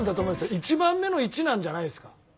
１番目の「いち」なんじゃないですか？